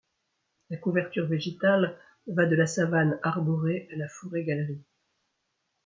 La couverture végétale va de la savane arborée à la forêt galerie.